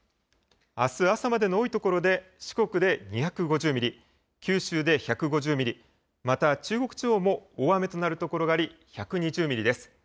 あす朝までの多い所で四国で２５０ミリ、九州で１５０ミリ、また中国地方も大雨となる所があり、１２０ミリです。